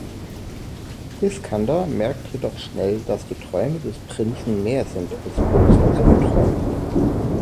Iskander merkt jedoch schnell, dass die Träume des Prinzen mehr sind als bloße Alpträume.